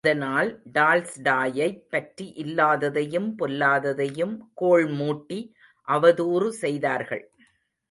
அதனால் டால்ஸ்டாயைப் பற்றி இல்லாததையும் பொல்லாததையும் கோள்மூட்டி அவதூறு செய்தார்கள்.